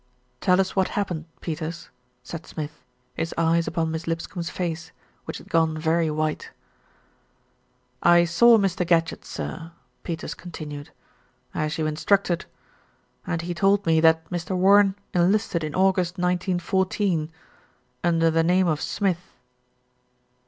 "Tell us what happened, Peters," said Smith, his eyes upon Miss Lipscombe's face, which had gone very white. "I saw Mr. Gadgett, sir," Peters continued, "as you instructed, and he told me that Mr. Warren enlisted in August, 1914, under the name of Smith."